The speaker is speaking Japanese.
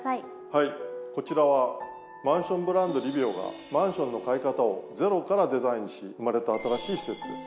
はいこちらはマンションブランドＬＩＶＩＯがマンションの買い方をゼロからデザインし生まれた新しい施設です。